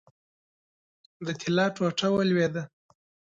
د طلا ټوټه ولوېده.